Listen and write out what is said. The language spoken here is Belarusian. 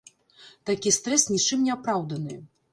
Такі стрэс нічым не апраўданы.